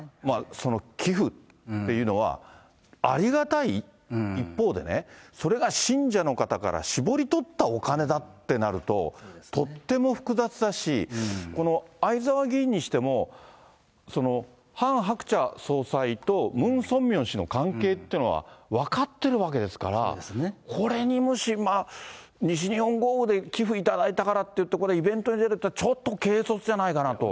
その寄付っていうのは、ありがたい一方でね、それが信者の方から搾り取ったお金だってなると、とっても複雑だし、この逢沢議員にしても、ハン・ハクチャ総裁とムン・ソンミョン氏の関係っていうのは分かってるわけですから、これにもしまあ、西日本豪雨で寄付頂いたからっていって、これ、イベントに出るっていうのは、ちょっと軽率じゃないかなと。